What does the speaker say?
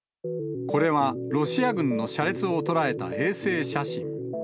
これはロシア軍の車列を捉えた衛星写真。